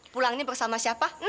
pulang ini bersama siapa